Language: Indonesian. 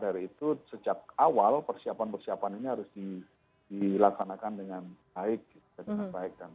bicara tahun dua ribu sembilan belas lalu bapak ya